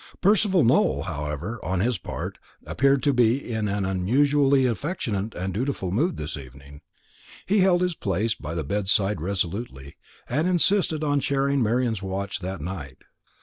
Percival Nowell, however, on his part, appeared to be in an unusually affectionate and dutiful mood this evening. He held his place by the bedside resolutely, and insisted on sharing Marian's watch that night.